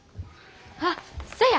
あっそや！